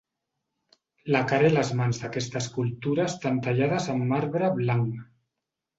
La cara i les mans d'aquesta escultura estan tallades en marbre blanc.